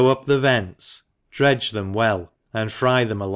up the vents, dredge them well and fry them a.